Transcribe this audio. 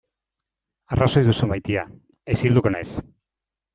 Arrazoi duzu maitea, isilduko naiz.